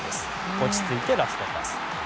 落ち着いてラストパス。